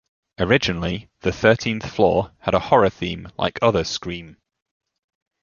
Originally, "The Thirteenth Floor" had a horror theme, like other "Scream!